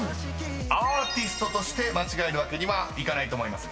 ［アーティストとして間違えるわけにはいかないと思いますが］